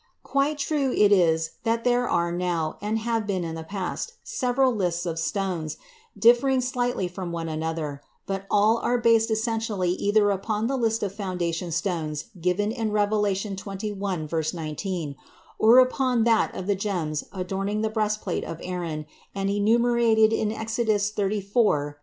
Quite true it is that there are now, and have been in the past, several lists of these stones, differing slightly from one another, but all are based essentially either upon the list of foundation stones given in Revelation (xxi, 19) or upon that of the gems adorning the breastplate of Aaron and enumerated in Exodus (xxxix, 10 13).